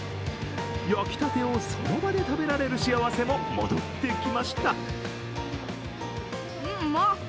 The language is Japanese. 焼きたてをその場で食べられる幸せも戻ってきました。